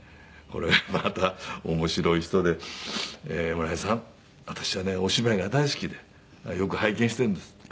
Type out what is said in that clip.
これまた面白い人で「村井さん私はねお芝居が大好きでよく拝見してるんです」。